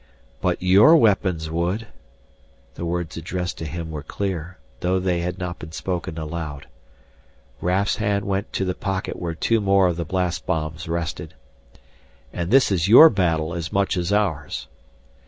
"But your weapons would." The words addressed to him were clear, though they had not been spoken aloud. Raf's hand went to the pocket where two more of the blast bombs rested. "And this is your battle as much as ours!"